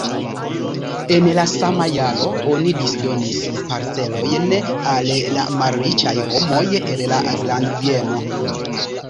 En la sama jaro oni disdonis parcelojn al la malriĉaj homoj el la grandbieno.